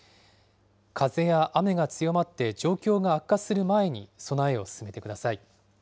風や雨が強まって状況が悪化する前に、備えを進めてください。